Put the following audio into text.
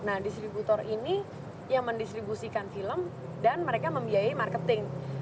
nah distributor ini yang mendistribusikan film dan mereka membiayai marketing